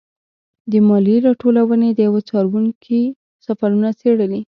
د مالیې راټولونې د یوه څارونکي سفرونه څېړلي.